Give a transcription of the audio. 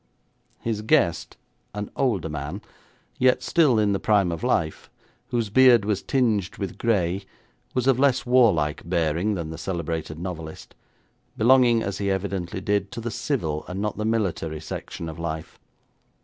His guest, an older man, yet still in the prime of life, whose beard was tinged with grey, was of less warlike bearing than the celebrated novelist, belonging, as he evidently did, to the civil and not the military section of life.